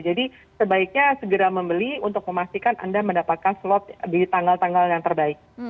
jadi sebaiknya segera membeli untuk memastikan anda mendapatkan slot di tanggal tanggal yang terbaik